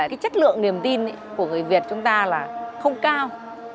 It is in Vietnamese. cái chất lượng niềm tin của người việt chúng ta là không cao